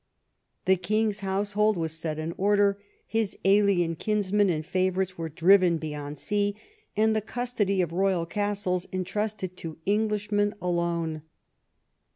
The king's household was set in order, his alien kinsmen and favourites were driven beyond sea, and the custody of royal castles entrusted to Englishmen alone.